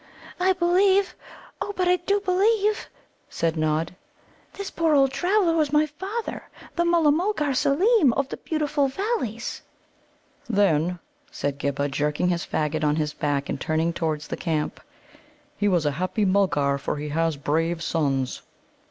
"I believe oh, but I do believe," said Nod, "this poor old traveller was my father, the Mulla mulgar Seelem, of the beautiful Valleys." "Then," said Ghibba, jerking his faggot on to his back, and turning towards the camp, "he was a happy Mulgar, for he has brave sons."